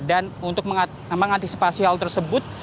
dan untuk mengantisipasi hal tersebut